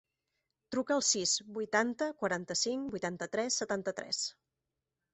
Truca al sis, vuitanta, quaranta-cinc, vuitanta-tres, setanta-tres.